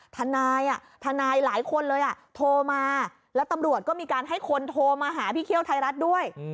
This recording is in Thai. ทนายทนายหลายคนเลยโทรมาแล้วตำรวจก็มีการให้คนโทรมาหาพี่เคี่ยวไทยรัฐด้วย